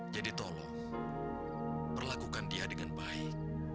jadi tolong perlakukan dia dengan baik